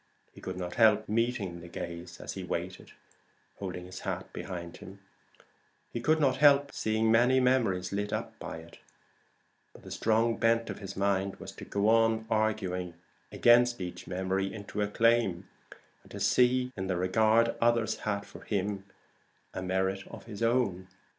He could not help meeting the gaze as he waited, holding his hat behind him could not help seeing many memories lit up by it; but the strong bent of his mind was to go on arguing each memory into a claim, and to see in the regard others had for him a merit of his own.